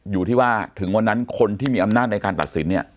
อยู่ที่ว่าถึงวันนั้นคนที่มีอำนาจในการตัดสินเนี่ย